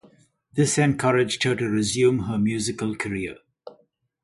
This encouraged her to resume her musical career.